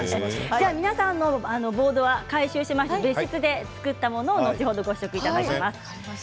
皆さんのボードは回収して別室で作ったものを後ほどご試食いただきます。